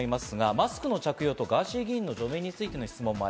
マスクの着用とガーシー議員の除名についてです。